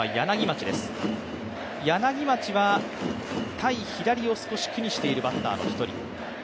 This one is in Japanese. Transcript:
柳町は対左を少し苦にしているバッターの１人。